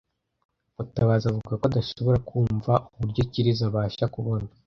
Mutabazi avuga ko adashobora kumva uburyo Kirezi abasha kubona